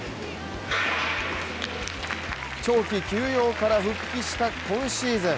長期休養から復帰した今シーズン。